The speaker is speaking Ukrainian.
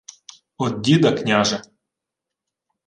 — Од діда, княже.